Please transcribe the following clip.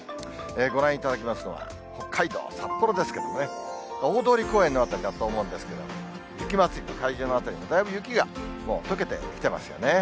ご覧いただきますのは、北海道札幌ですけれどもね、大通公園の辺りだと思うんですけれども、雪まつりの会場の辺り、だいぶ雪がもうとけてきてますよね。